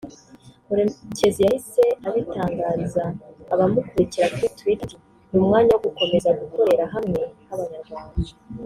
Murekezi yahise abitangariza abamukurikira kuri Twitter ati "Ni umwanya wo gukomeza gukorera hamwe nk’Abanyarwanda [